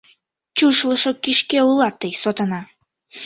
Чушлышо кишке улат тый, сотана!